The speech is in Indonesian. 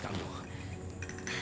tunggu aku mau pergi